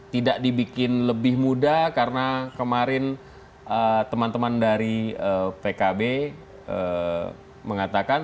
tidak dibikin lebih mudah karena kemarin teman teman dari pkb mengatakan